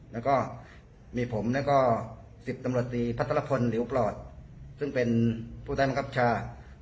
แล้วก็มีผมแล้วก็๑๐ตำรวจตรีพัทรพลลิวปลอดซึ่งเป็นผู้ใต้บังคับชา